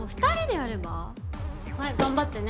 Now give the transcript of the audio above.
はい頑張ってね。